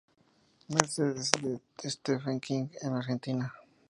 Mercedes de Stephen King en Argentina.